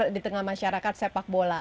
di tengah masyarakat sepak bola